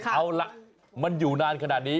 เอาล่ะมันอยู่นานขนาดนี้